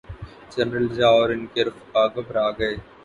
General Zia اور ان کے رفقاء گھبرا گئے۔